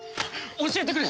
教えてくれ！